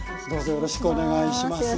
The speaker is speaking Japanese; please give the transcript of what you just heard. よろしくお願いします。